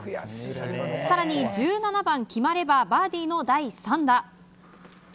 更に、１７番決まればバーディーの第３打。